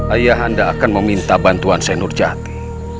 ayah handa akan meminta bantuan senur jati